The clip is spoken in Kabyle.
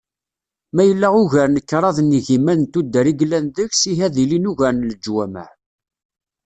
Ma yella ugar n kraḍ n yigiman n tuddar i yellan deg-s, ihi ad ilin ugar n leǧwamaɛ.